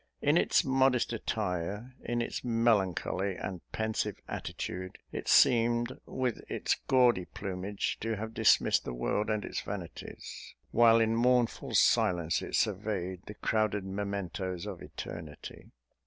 In its modest attire, in its melancholy and pensive attitude, it seemed, with its gaudy plumage, to have dismissed the world and its vanities, while in mournful silence it surveyed the crowded mementoes of eternity.